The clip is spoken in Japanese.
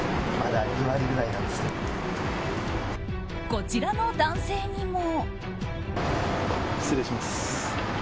こちらの男性にも。